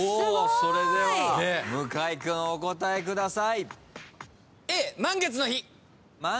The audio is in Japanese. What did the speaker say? それでは向井君お答えください。